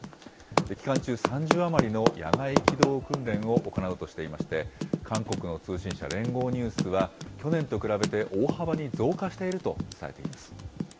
期間中、３０余りの野外機動訓練を行うとしていまして、韓国の通信社、連合ニュースは、去年と比べて大幅に増加していると伝えています。